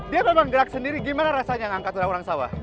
dia memang gerak sendiri gimana rasanya ngangkat orang orang sawah